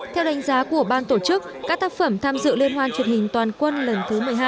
theo đánh giá của ban tổ chức các tác phẩm tham dự liên hoan truyền hình toàn quân lần thứ một mươi hai